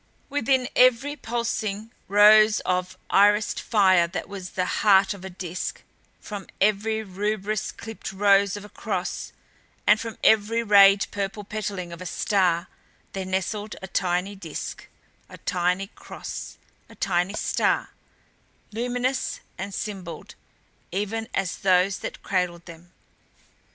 Within every pulsing rose of irised fire that was the heart of a disk, from every rubrous, clipped rose of a cross, and from every rayed purple petaling of a star there nestled a tiny disk, a tiny cross, a tiny star, luminous and symboled even as those that cradled them.